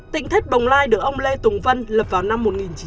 tỉnh thất bồng lai được ông lê tùng vân lập vào năm một nghìn chín trăm bảy mươi